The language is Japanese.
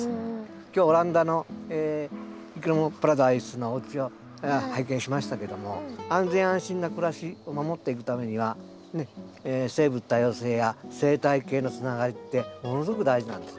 今日オランダのいきものパラダイスのおうちを拝見しましたけども安全安心な暮らしを守っていくためには生物多様性や生態系のつながりってものすごく大事なんですね。